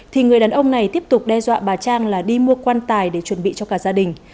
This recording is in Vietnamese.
thì người đàn ông này tiếp tục đe dọa bà trang là đi mua quan tài để chuẩn bị cho cả gia đình